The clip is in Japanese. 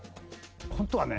本当はね